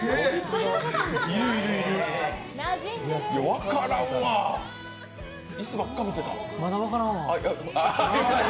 分からんわ、椅子ばっか見てた。